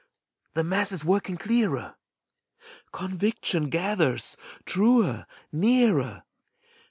the mass is working clearer! Conviction gathers, truer, nearer!